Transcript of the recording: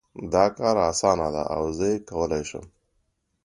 دا کار اسانه ده او زه یې کولای شم